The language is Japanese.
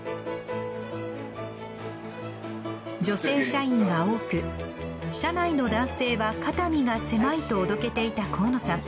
女性社員が多く社内の男性は肩身が狭いとおどけていた河野さん。